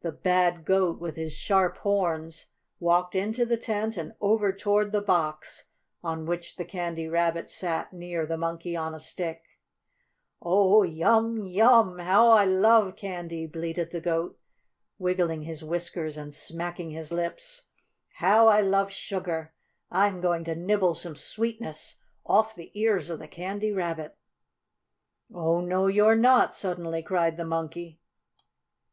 The bad Goat, with his sharp horns, walked into the tent and over toward the box on which the Candy Rabbit sat near the Monkey on a Stick. "Oh, yum yum! How I love candy!" bleated the goat, wiggling his whiskers and smacking his lips. "How I love sugar! I'm going to nibble some sweetness off the ears of the Candy Rabbit." "Oh, no you're not!" suddenly cried the Monkey.